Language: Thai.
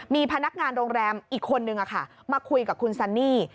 มีพนักงานโรงแรมอีกคนนึงมาคุยกับคุณซันนี่